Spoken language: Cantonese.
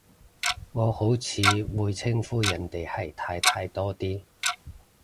我好似會稱呼人哋係太太多啲